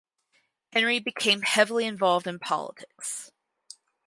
Henry became heavily involved in politics.